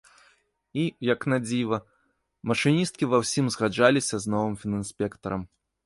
І, як надзіва, машыністкі ва ўсім згаджаліся з новым фінінспектарам.